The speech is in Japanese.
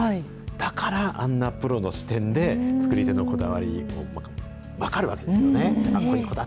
だからあんなプロの視点で、作り手のこだわりを分かるわけですよね。